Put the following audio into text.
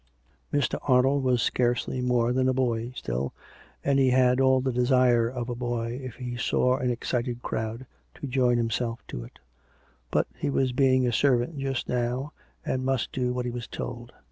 Mr. Arnold was scarcely more than a boy still, and he had all the desire of a boy, if he saw an excited crowd, to 288 COME RACK! COME ROPE! join himself to it. But he was being a servant just now, and must do what he was told.